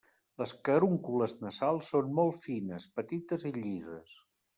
Les carúncules nasals són molt fines, petites i llises.